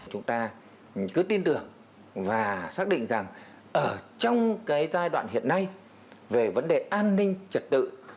chúng ta cứ tin tưởng và xác định rằng ở trong cái giai đoạn hiện nay về vấn đề an ninh trật tự